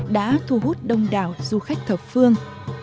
đã thu hút đông đảo du khách thập phương